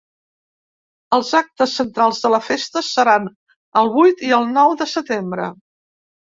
Els actes centrals de la festa seran el vuit i el nou de setembre.